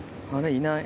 いない。